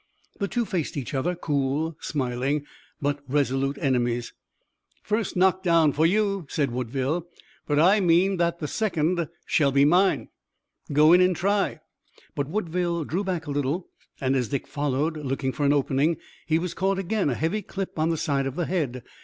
The two faced each other, cool, smiling, but resolute enemies. "First knockdown for you," said Woodville, "but I mean that the second shall be mine." "Go in and try." But Woodville drew back a little, and as Dick followed, looking for an opening he was caught again a heavy clip on the side of the head.